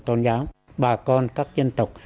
tôn giáo bà con các dân tộc